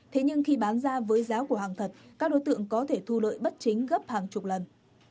thế nhưng khi bán ra với giá của hàng thật các đối tượng có thể thu lợi bất chính gấp hàng chục lần